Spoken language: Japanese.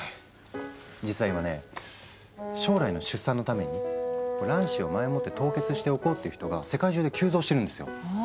実は今ね将来の出産のために卵子を前もって凍結しておこうって人が世界中で急増してるんですよ。